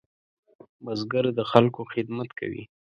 بزګر د خلکو خدمت کوي